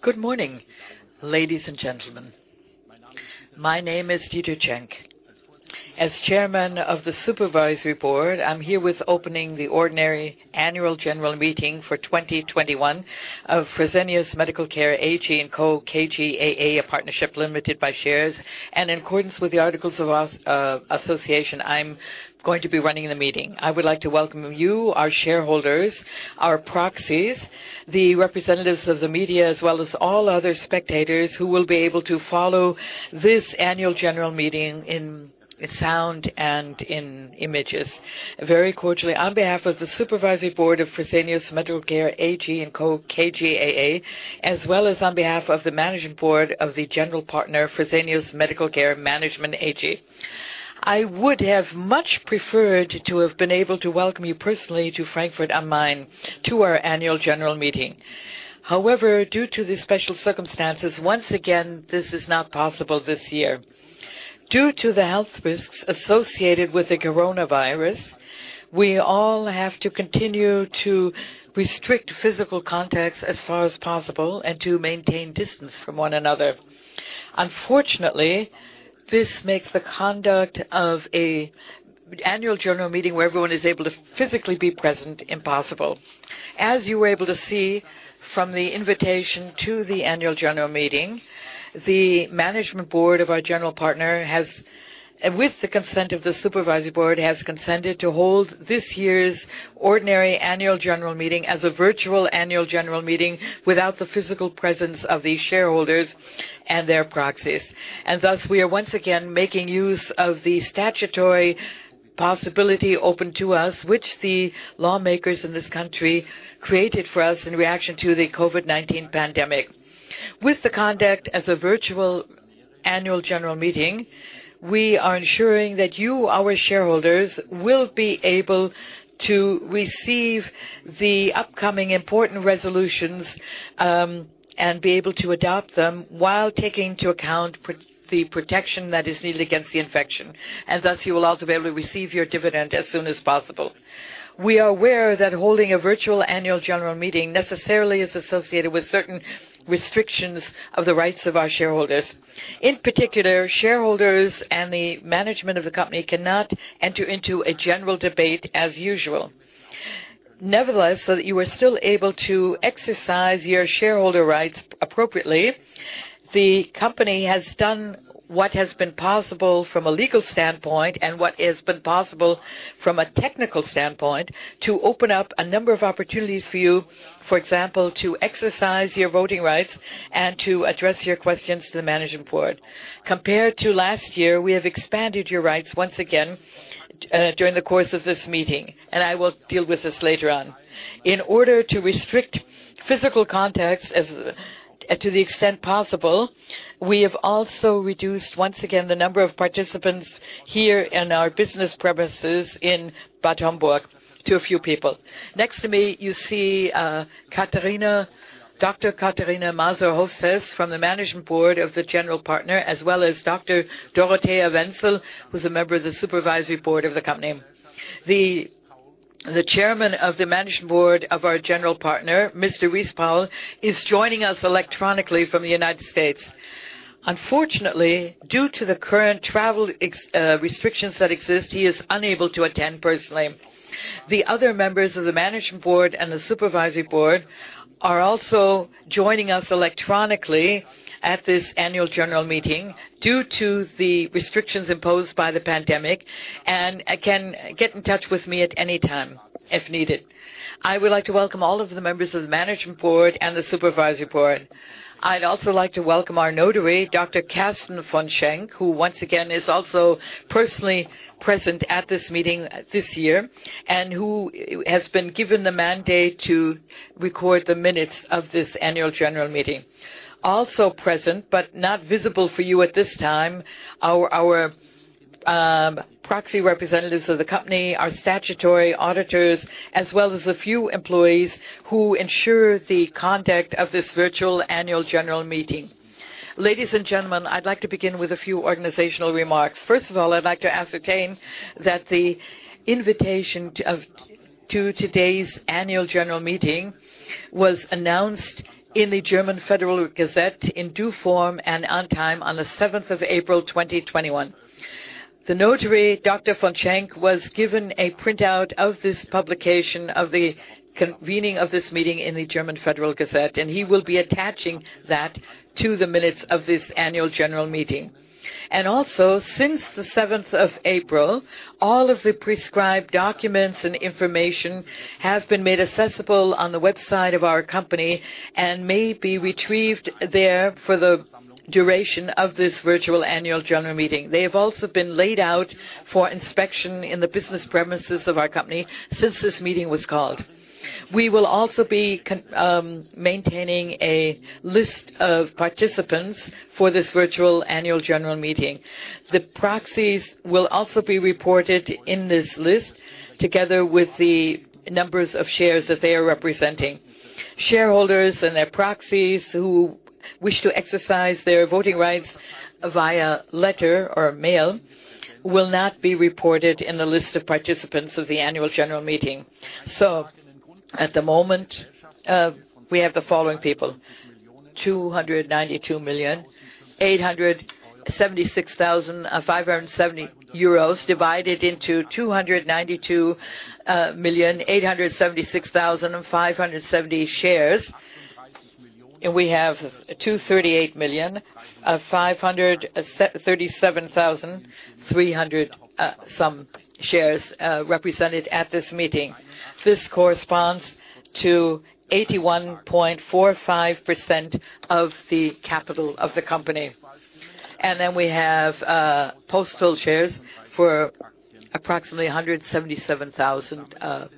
Good morning, ladies and gentlemen. My name is Dieter Schenk. As Chairman of the Supervisory Board, I'm here with opening the ordinary annual general meeting for 2021 of Fresenius Medical Care AG & Co. KGaA, a partnership limited by shares. In accordance with the articles of association, I'm going to be running the meeting. I would like to welcome you, our shareholders, our proxies, the representatives of the media, as well as all other spectators who will be able to follow this annual general meeting in sound and in images very cordially on behalf of the Supervisory Board of Fresenius Medical Care AG & Co. KGaA, as well as on behalf of the Management Board of the general partner, Fresenius Medical Care Management AG. I would have much preferred to have been able to welcome you personally to Frankfurt am Main to our annual general meeting. However, due to the special circumstances, once again, this is not possible this year. Due to the health risks associated with the coronavirus, we all have to continue to restrict physical contact as far as possible and to maintain distance from one another. Unfortunately, this makes the conduct of an annual general meeting where everyone is able to physically be present, impossible. As you were able to see from the invitation to the annual general meeting, the Management Board of our general partner, with the consent of the Supervisory Board, has consented to hold this year's ordinary annual general meeting as a virtual annual general meeting without the physical presence of the shareholders and their proxies. Thus, we are once again making use of the statutory possibility open to us, which the lawmakers in this country created for us in reaction to the COVID-19 pandemic. With the conduct as a virtual Annual General Meeting, we are ensuring that you, our shareholders, will be able to receive the upcoming important resolutions, and be able to adopt them while taking into account the protection that is needed against the infection. Thus, you will also be able to receive your dividend as soon as possible. We are aware that holding a virtual Annual General Meeting necessarily is associated with certain restrictions of the rights of our shareholders. In particular, shareholders and the management of the company cannot enter into a general debate as usual. Nevertheless, so that you are still able to exercise your shareholder rights appropriately, the company has done what has been possible from a legal standpoint and what has been possible from a technical standpoint to open up a number of opportunities for you, for example, to exercise your voting rights and to address your questions to the Management Board. Compared to last year, we have expanded your rights once again during the course of this meeting, and I will deal with this later on. In order to restrict physical contact to the extent possible, we have also reduced, once again, the number of participants here in our business premises in Bad Homburg to a few people. Next to me, you see Dr. Katarzyna Mazur-Hofsäß, from the Management Board of the general partner, as well as Dr. Dorothea Wenzel, who's a member of the Supervisory Board of the company. The Chairman of the Management Board of our general partner, Mr. Rice Powell, is joining us electronically from the United States. Unfortunately, due to the current travel restrictions that exist, he is unable to attend personally. The other members of the Management Board and the Supervisory Board are also joining us electronically at this annual general meeting due to the restrictions imposed by the pandemic, and can get in touch with me at any time if needed. I would like to welcome all of the members of the Management Board and the Supervisory Board. I'd also like to welcome our Notary, Dr. Kersten von Schenck, who once again is also personally present at this meeting this year, and who has been given the mandate to record the minutes of this annual general meeting. Present, but not visible for you at this time, our proxy representatives of the company, our statutory auditors, as well as a few employees who ensure the conduct of this virtual Annual General Meeting. Ladies and gentlemen, I'd like to begin with a few organizational remarks. First of all, I'd like to ascertain that the invitation to today's Annual General Meeting was announced in the German Federal Gazette in due form and on time on the 7th of April 2021. The Notary, Dr. von Schenck, was given a printout of this publication of the convening of this meeting in the German Federal Gazette, and he will be attaching that to the minutes of this Annual General Meeting. Also, since the 7th of April, all of the prescribed documents and information have been made accessible on the website of our company and may be retrieved there for the duration of this virtual annual general meeting. They have also been laid out for inspection in the business premises of our company since this meeting was called. We will also be maintaining a list of participants for this virtual annual general meeting. The proxies will also be reported in this list together with the numbers of shares that they are representing. Shareholders and their proxies who wish to exercise their voting rights via letter or mail will not be reported in the list of participants of the annual general meeting. At the moment, we have the following people, 292,876,570 euros divided into 292,876,570 shares, and we have 238,537,300 some shares represented at this meeting. This corresponds to 81.45% of the capital of the company. We have postal shares for approximately 177,000 shares.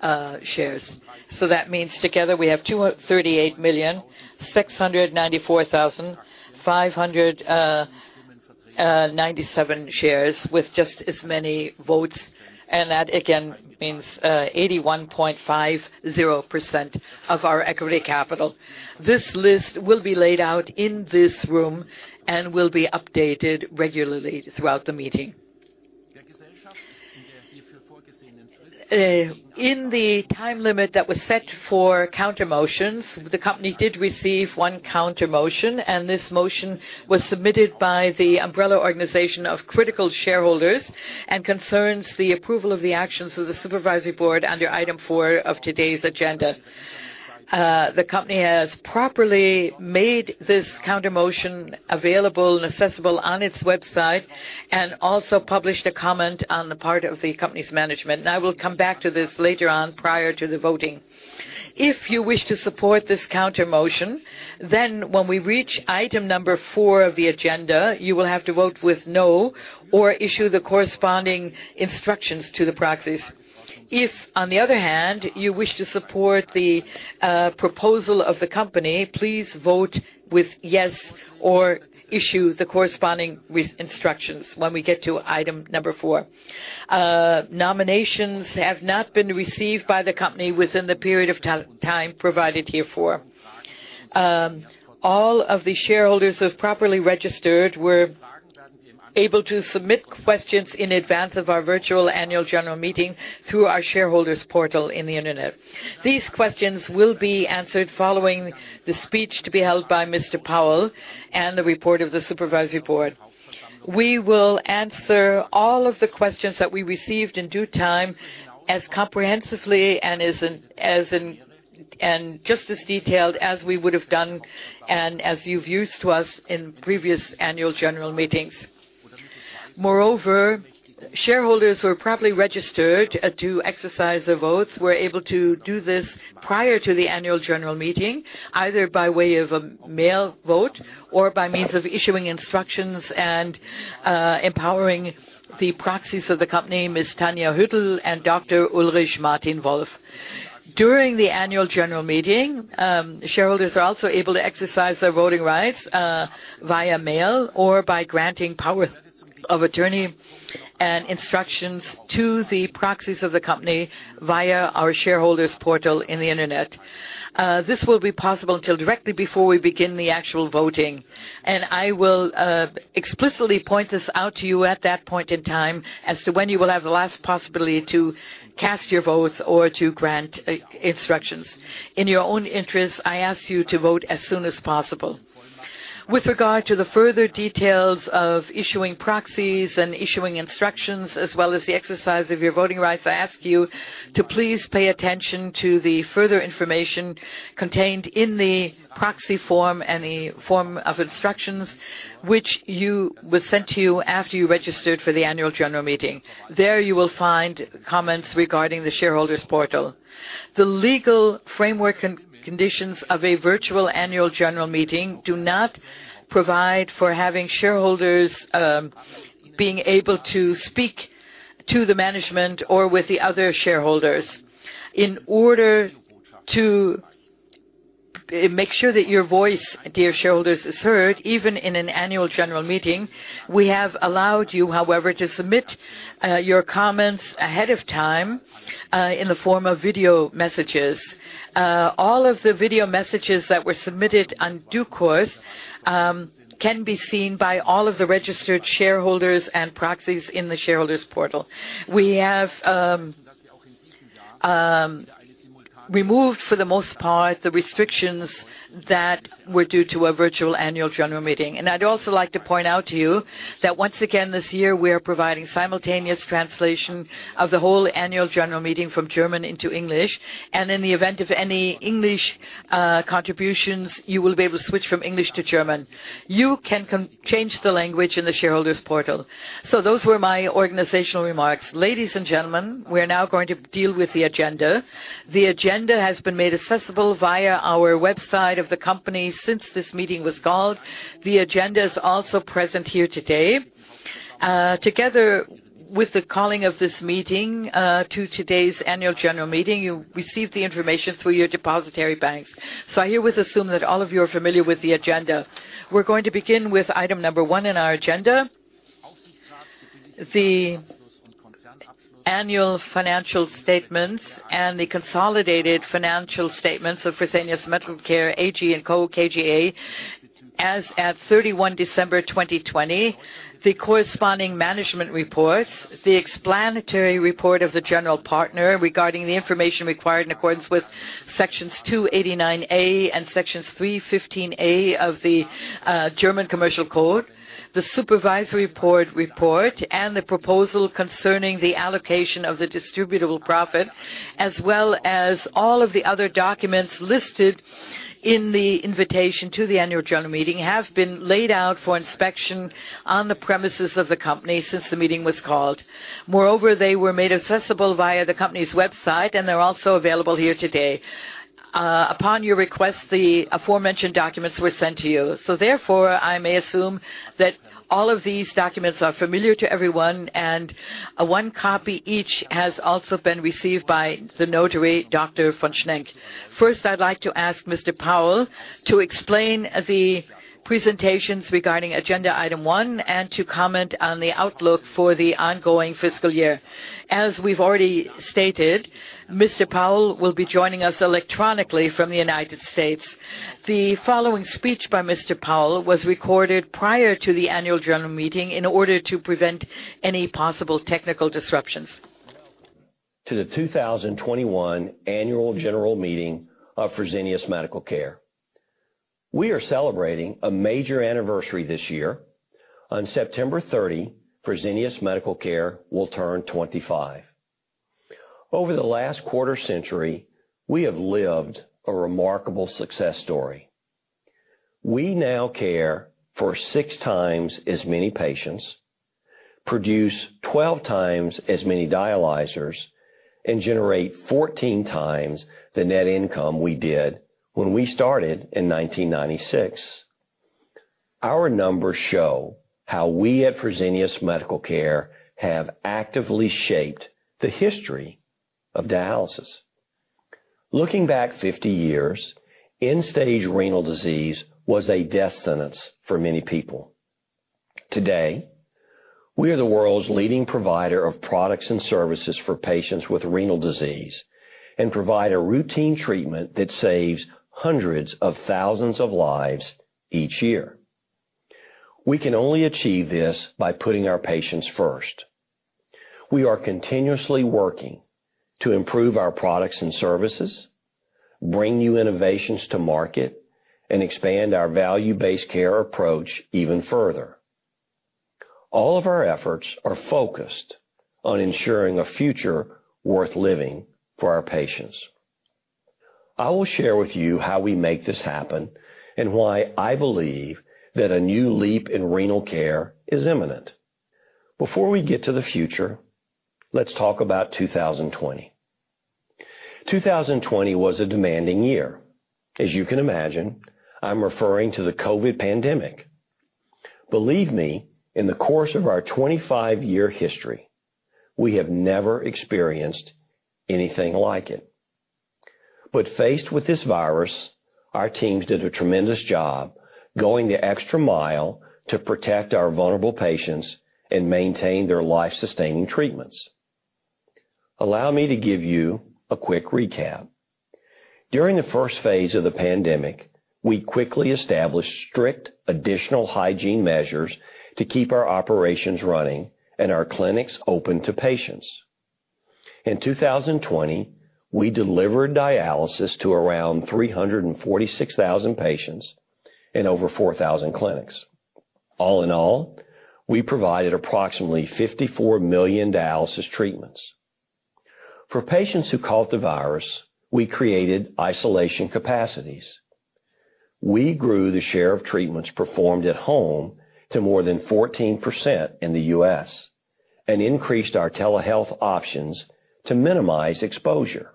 That means together we have 238,694,597 shares with just as many votes, and that again means 81.50% of our equity capital. This list will be laid out in this room and will be updated regularly throughout the meeting. In the time limit that was set for countermotions, the company did receive one countermotion, and this motion was submitted by the umbrella organization of critical shareholders and concerns the approval of the actions of the supervisory board under item four of today's agenda. The company has properly made this countermotion available and accessible on its website and also published a comment on the part of the company's management, and I will come back to this later on prior to the voting. If you wish to support this countermotion, then when we reach item number four of the agenda, you will have to vote with no or issue the corresponding instructions to the proxies. If, on the other hand, you wish to support the proposal of the company, please vote with yes or issue the corresponding instructions when we get to item number four. Nominations have not been received by the company within the period of time provided heretofore. All of the shareholders have properly registered were able to submit questions in advance of our virtual Annual General Meeting through our shareholders portal in the internet. These questions will be answered following the speech to be held by Mr. Powell and the report of the Supervisory Board. We will answer all of the questions that we received in due time as comprehensively and just as detailed as we would have done and as you're used to us in previous annual general meetings. Moreover, shareholders who are properly registered to exercise their votes were able to do this prior to the annual general meeting, either by way of a mail vote or by means of issuing instructions and empowering the proxies of the company, Ms. Tanja Hüttl and Dr. Ulrich Martin Wolf. During the annual general meeting, shareholders are also able to exercise their voting rights via mail or by granting power of attorney and instructions to the proxies of the company via our shareholders portal in the internet. This will be possible till directly before we begin the actual voting, and I will explicitly point this out to you at that point in time as to when you will have the last possibility to cast your votes or to grant instructions. In your own interest, I ask you to vote as soon as possible. With regard to the further details of issuing proxies and issuing instructions as well as the exercise of your voting rights, I ask you to please pay attention to the further information contained in the proxy form and the form of instructions, which was sent to you after you registered for the annual general meeting. There you will find comments regarding the shareholders portal. The legal framework conditions of a virtual annual general meeting do not provide for having shareholders being able to speak to the management or with the other shareholders. In order to make sure that your voice, dear shareholders, is heard, even in an annual general meeting, we have allowed you, however, to submit your comments ahead of time in the form of video messages. All of the video messages that were submitted in due course can be seen by all of the registered shareholders and proxies in the shareholders portal. We have removed for the most part the restrictions that were due to a virtual annual general meeting. I'd also like to point out to you that once again, this year, we are providing simultaneous translation of the whole annual general meeting from German into English. In the event of any English contributions, you will be able to switch from English to German. You can change the language in the shareholders portal. Those were my organizational remarks. Ladies and gentlemen, we are now going to deal with the agenda. The agenda has been made accessible via our website of the company since this meeting was called. The agenda is also present here today. Together with the calling of this meeting to today's annual general meeting, you received the information through your depositary banks. I hereby assume that all of you are familiar with the agenda. We're going to begin with item number one in our agenda. The annual financial statements and the consolidated financial statements of Fresenius Medical Care AG & Co. KGaA as at 31 December 2020, the corresponding management report, the explanatory report of the general partner regarding the information required in accordance with Sections 289a and Sections 315a of the German Commercial Code, the supervisory board report, and the proposal concerning the allocation of the distributable profit, as well as all of the other documents listed in the invitation to the annual general meeting have been laid out for inspection on the premises of the company since the meeting was called. They were made accessible via the company's website, and they're also available here today. Upon your request, the aforementioned documents were sent to you. Therefore, I may assume that all of these documents are familiar to everyone, and one copy each has also been received by the notary, Dr. von Schenck. First, I'd like to ask Mr. Powell to explain the presentations regarding agenda item one and to comment on the outlook for the ongoing fiscal year. As we've already stated, Mr. Powell will be joining us electronically from the United States. The following speech by Mr. Powell was recorded prior to the annual general meeting in order to prevent any possible technical disruptions. To the 2021 Annual General Meeting of Fresenius Medical Care. We are celebrating a major anniversary this year. On September 30, Fresenius Medical Care will turn 25. Over the last quarter-century, we have lived a remarkable success story. We now care for six times as many patients, produce 12x as many dialyzers, and generate 14x the net income we did when we started in 1996. Our numbers show how we at Fresenius Medical Care have actively shaped the history of dialysis. Looking back 50 years, end-stage renal disease was a death sentence for many people. Today, we are the world's leading provider of products and services for patients with renal disease and provide a routine treatment that saves hundreds of thousands of lives each year. We can only achieve this by putting our patients first. We are continuously working to improve our products and services, bring new innovations to market, and expand our value-based care approach even further. All of our efforts are focused on ensuring a future worth living for our patients. I will share with you how we make this happen and why I believe that a new leap in renal care is imminent. Before we get to the future, let's talk about 2020. 2020 was a demanding year. As you can imagine, I'm referring to the COVID pandemic. Believe me, in the course of our 25-year history, we have never experienced anything like it. Faced with this virus, our teams did a tremendous job going the extra mile to protect our vulnerable patients and maintain their life-sustaining treatments. Allow me to give you a quick recap. During the first phase of the pandemic, we quickly established strict additional hygiene measures to keep our operations running and our clinics open to patients. In 2020, we delivered dialysis to around 346,000 patients in over 4,000 clinics. All in all, we provided approximately 54 million dialysis treatments. For patients who caught the virus, we created isolation capacities. We grew the share of treatments performed at home to more than 14% in the U.S. and increased our telehealth options to minimize exposure.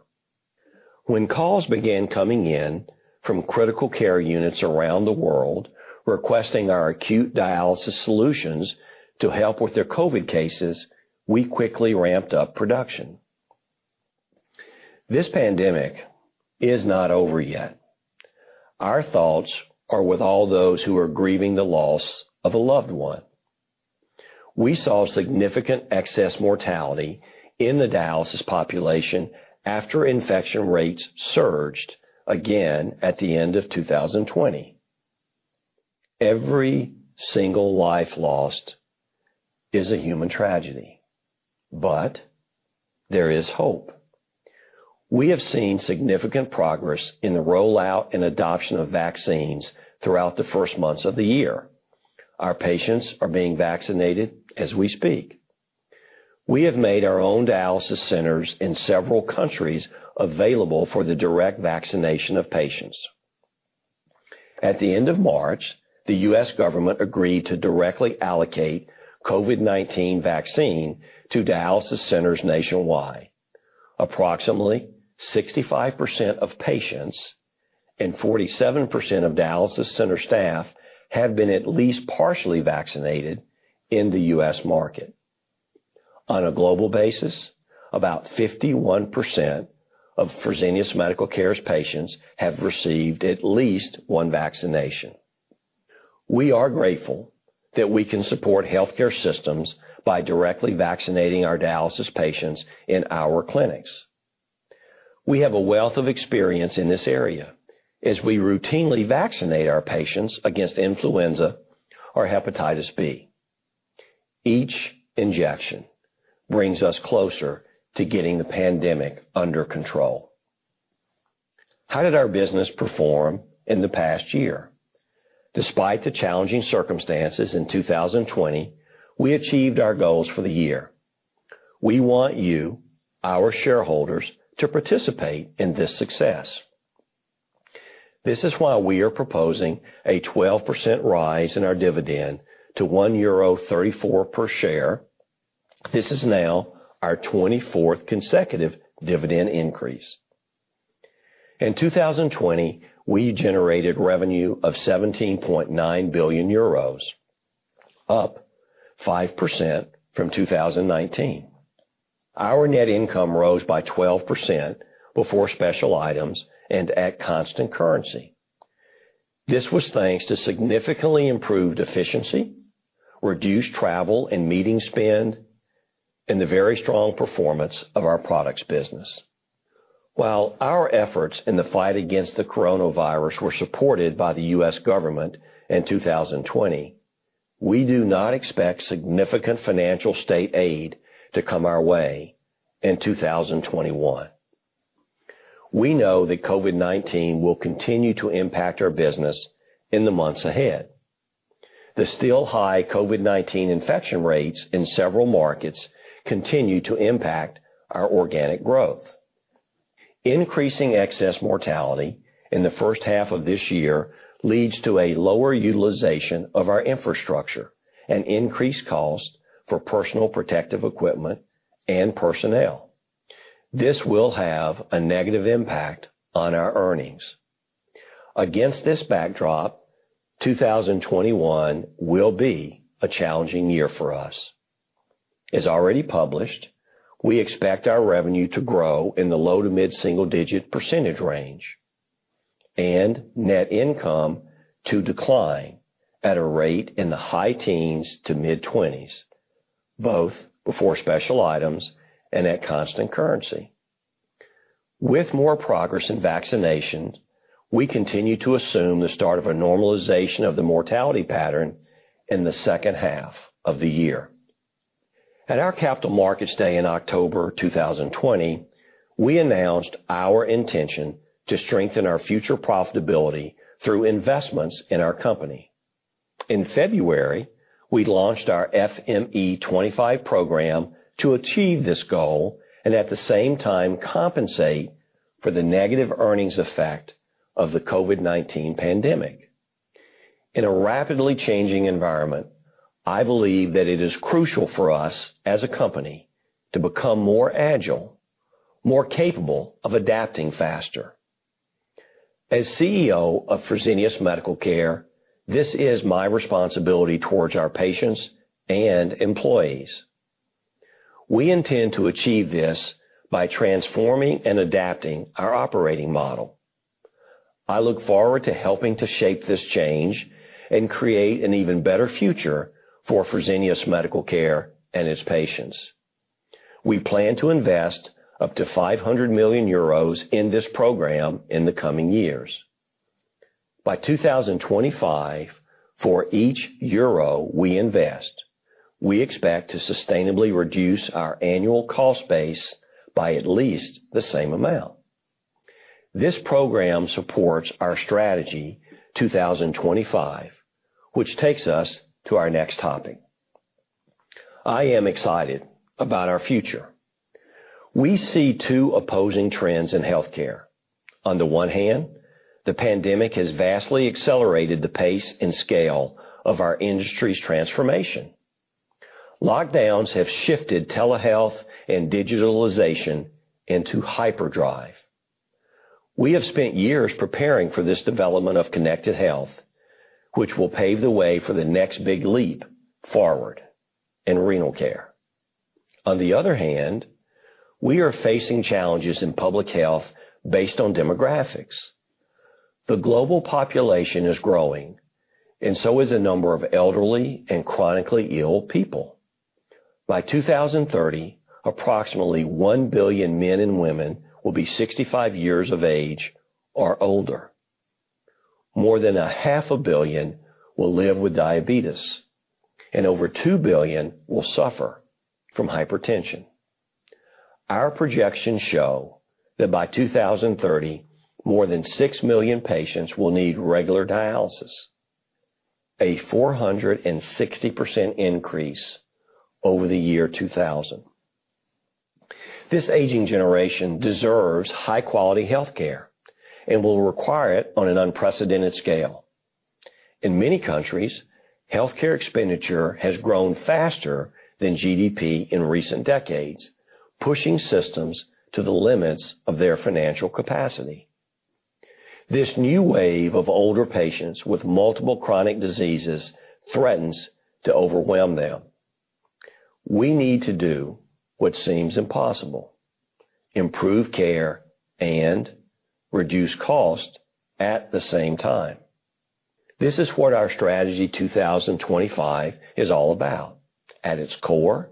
When calls began coming in from critical care units around the world requesting our acute dialysis solutions to help with their COVID-19 cases, we quickly ramped up production. This pandemic is not over yet. Our thoughts are with all those who are grieving the loss of a loved one. We saw significant excess mortality in the dialysis population after infection rates surged again at the end of 2020. Every single life lost is a human tragedy, but there is hope. We have seen significant progress in the rollout and adoption of vaccines throughout the first months of the year. Our patients are being vaccinated as we speak. We have made our own dialysis centers in several countries available for the direct vaccination of patients. At the end of March, the U.S. Government agreed to directly allocate COVID-19 vaccine to dialysis centers nationwide. Approximately 65% of patients and 47% of dialysis center staff have been at least partially vaccinated in the U.S. market. On a global basis, about 51% of Fresenius Medical Care's patients have received at least one vaccination. We are grateful that we can support healthcare systems by directly vaccinating our dialysis patients in our clinics. We have a wealth of experience in this area, as we routinely vaccinate our patients against influenza or hepatitis B. Each injection brings us closer to getting the pandemic under control. How did our business perform in the past year? Despite the challenging circumstances in 2020, we achieved our goals for the year. We want you, our shareholders, to participate in this success. This is why we are proposing a 12% rise in our dividend to 1.34 euro per share. This is now our 24th consecutive dividend increase. In 2020, we generated revenue of 17.9 billion euros, up 5% from 2019. Our net income rose by 12% before special items and at constant currency. This was thanks to significantly improved efficiency, reduced travel and meeting spend, and the very strong performance of our products business. While our efforts in the fight against the coronavirus were supported by the U.S. government in 2020, we do not expect significant financial state aid to come our way in 2021. We know that COVID-19 will continue to impact our business in the months ahead. The still high COVID-19 infection rates in several markets continue to impact our organic growth. Increasing excess mortality in the first half of this year leads to a lower utilization of our infrastructure and increased cost for personal protective equipment and personnel. This will have a negative impact on our earnings. Against this backdrop, 2021 will be a challenging year for us. As already published, we expect our revenue to grow in the low to mid-single-digit percentage range and net income to decline at a rate in the high teens to mid-20s, both before special items and at constant currency. With more progress in vaccination, we continue to assume the start of a normalization of the mortality pattern in the second half of the year. At our Capital Markets Day in October 2020, we announced our intention to strengthen our future profitability through investments in our company. In February, we launched our FME25 program to achieve this goal and at the same time compensate for the negative earnings effect of the COVID-19 pandemic. In a rapidly changing environment, I believe that it is crucial for us as a company to become more agile, more capable of adapting faster. As CEO of Fresenius Medical Care, this is my responsibility towards our patients and employees. We intend to achieve this by transforming and adapting our operating model. I look forward to helping to shape this change and create an even better future for Fresenius Medical Care and its patients. We plan to invest up to 500 million euros in this program in the coming years. By 2025, for each euro we invest, we expect to sustainably reduce our annual cost base by at least the same amount. This program supports our Strategy 2025, which takes us to our next topic. I am excited about our future. We see two opposing trends in healthcare. On the one hand, the pandemic has vastly accelerated the pace and scale of our industry's transformation. Lockdowns have shifted telehealth and digitalization into hyperdrive. We have spent years preparing for this development of connected health, which will pave the way for the next big leap forward in renal care. On the other hand, we are facing challenges in public health based on demographics. The global population is growing, and so is the number of elderly and chronically ill people. By 2030, approximately 1 billion men and women will be 65 years of age or older. More than a 500 million will live with diabetes, and over 2 billion will suffer from hypertension. Our projections show that by 2030, more than 6 million patients will need regular dialysis, a 460% increase over the year 2000. This aging generation deserves high-quality healthcare and will require it on an unprecedented scale. In many countries, healthcare expenditure has grown faster than GDP in recent decades, pushing systems to the limits of their financial capacity. This new wave of older patients with multiple chronic diseases threatens to overwhelm them. We need to do what seems impossible, improve care and reduce cost at the same time. This is what our Strategy 2025 is all about. At its core,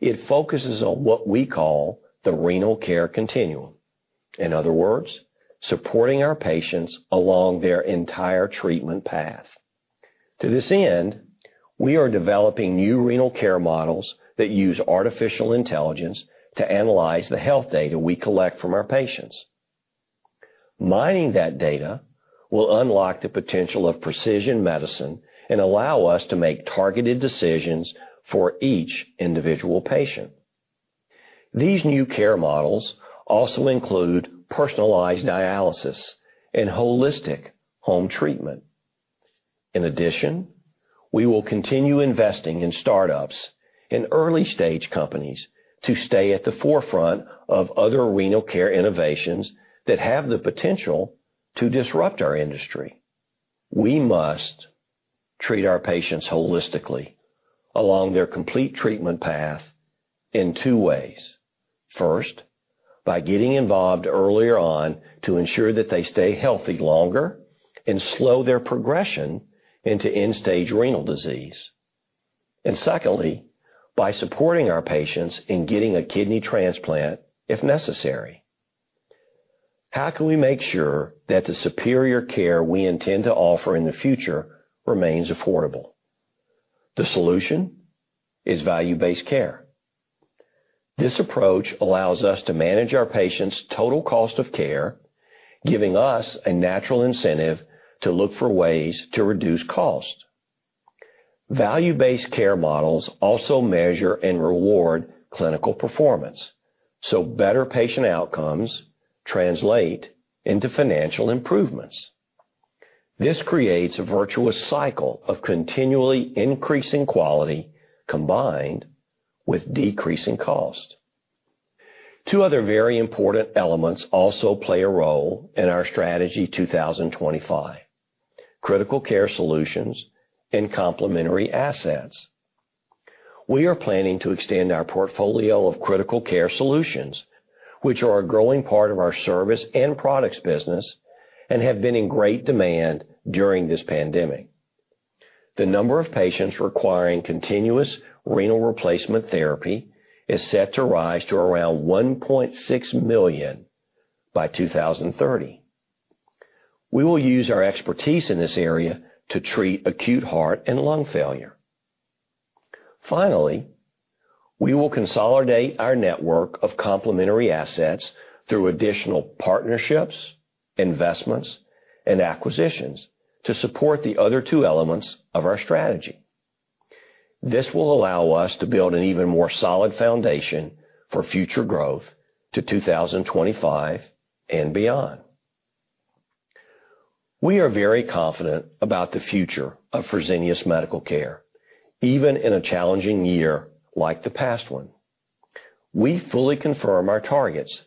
it focuses on what we call the Renal Care Continuum. In other words, supporting our patients along their entire treatment path. To this end, we are developing new renal care models that use artificial intelligence to analyze the health data we collect from our patients. Mining that data will unlock the potential of precision medicine and allow us to make targeted decisions for each individual patient. These new care models also include personalized dialysis and holistic home treatment. In addition, we will continue investing in startups and early-stage companies to stay at the forefront of other renal care innovations that have the potential to disrupt our industry. We must treat our patients holistically along their complete treatment path in two ways. First, by getting involved earlier on to ensure that they stay healthy longer and slow their progression into end-stage renal disease. Secondly, by supporting our patients in getting a kidney transplant if necessary. How can we make sure that the superior care we intend to offer in the future remains affordable? The solution is value-based care. This approach allows us to manage our patients' total cost of care, giving us a natural incentive to look for ways to reduce cost. Value-based care models also measure and reward clinical performance, so better patient outcomes translate into financial improvements. This creates a virtuous cycle of continually increasing quality combined with decreasing cost. Two other very important elements also play a role in our Strategy 2025: critical care solutions and complementary assets. We are planning to extend our portfolio of critical care solutions, which are a growing part of our service and products business and have been in great demand during this pandemic. The number of patients requiring continuous renal replacement therapy is set to rise to around 1.6 million by 2030. We will use our expertise in this area to treat acute heart and lung failure. We will consolidate our network of complementary assets through additional partnerships, investments, and acquisitions to support the other two elements of our strategy. This will allow us to build an even more solid foundation for future growth to 2025 and beyond. We are very confident about the future of Fresenius Medical Care, even in a challenging year like the past one. We fully confirm our targets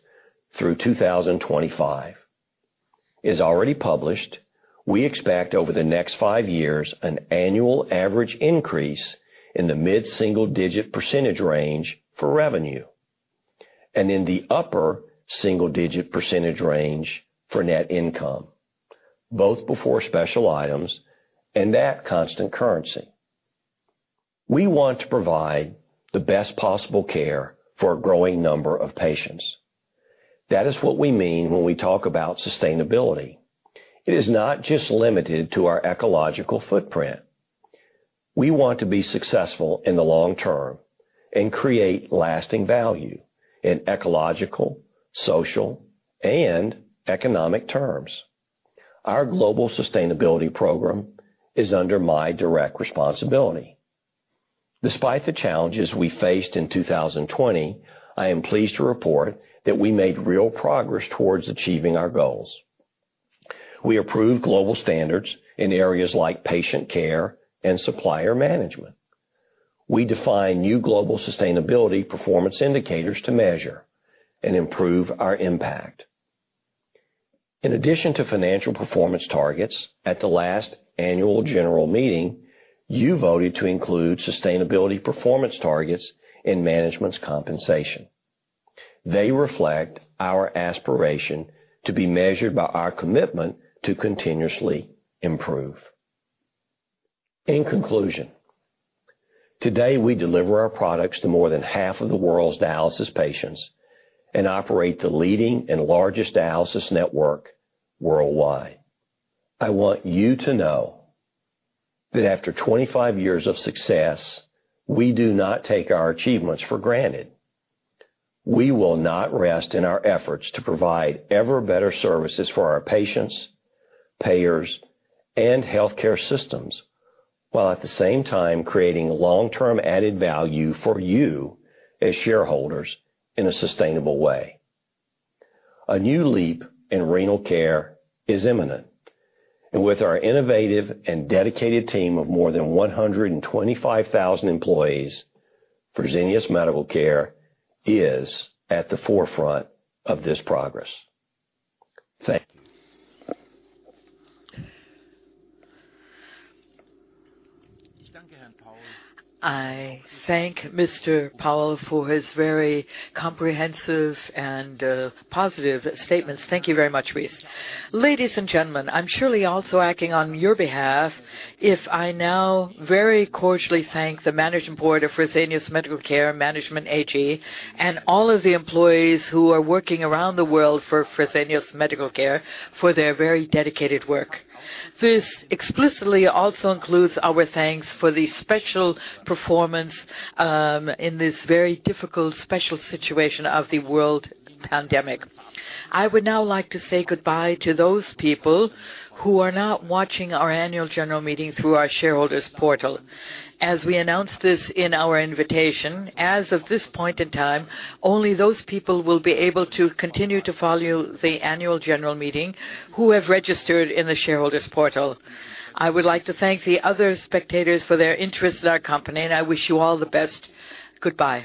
through 2025. As already published, we expect over the next five years an annual average increase in the mid-single-digit % range for revenue and in the upper single-digit % range for net income, both before special items and net constant currency. We want to provide the best possible care for a growing number of patients. That is what we mean when we talk about sustainability. It is not just limited to our ecological footprint. We want to be successful in the long term and create lasting value in ecological, social, and economic terms. Our global sustainability program is under my direct responsibility. Despite the challenges we faced in 2020, I am pleased to report that we made real progress towards achieving our goals. We approved global standards in areas like patient care and supplier management. We defined new global sustainability performance indicators to measure and improve our impact. In addition to financial performance targets at the last annual general meeting, you voted to include sustainability performance targets in management's compensation. They reflect our aspiration to be measured by our commitment to continuously improve. In conclusion, today we deliver our products to more than half of the world's dialysis patients and operate the leading and largest dialysis network worldwide. I want you to know that after 25 years of success, we do not take our achievements for granted. We will not rest in our efforts to provide ever-better services for our patients, payers, and healthcare systems, while at the same time creating long-term added value for you as shareholders in a sustainable way. A new leap in renal care is imminent, and with our innovative and dedicated team of more than 125,000 employees, Fresenius Medical Care is at the forefront of this progress. Thank you. I thank Mr. Powell for his very comprehensive and positive statements. Thank you very much, Rice. Ladies and gentlemen, I'm surely also acting on your behalf if I now very cordially thank the Management Board of Fresenius Medical Care Management AG and all of the employees who are working around the world for Fresenius Medical Care for their very dedicated work. This explicitly also includes our thanks for the special performance, in this very difficult, special situation of the world pandemic. I would now like to say goodbye to those people who are not watching our Annual General Meeting through our Shareholders Portal. As we announced this in our invitation, as of this point in time, only those people will be able to continue to follow the Annual General Meeting who have registered in the Shareholders Portal. I would like to thank the other spectators for their interest in our company, and I wish you all the best. Goodbye.